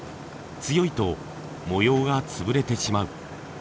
強いと模様が潰れてしまう。